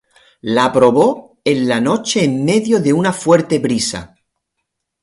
La probó en la noche en medio de una fuerte brisa.